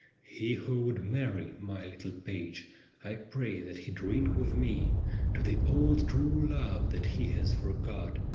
' He who would marry, my little page, I pray that he drink with me To the old true love that he has forgot.